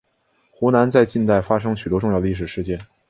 湖南在近代发生许多重要的历史事件。